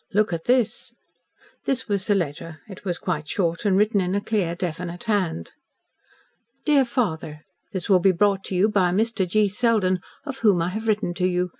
Look at this." This was the letter. It was quite short, and written in a clear, definite hand. "DEAR FATHER: This will be brought to you by Mr. G. Selden, of whom I have written to you.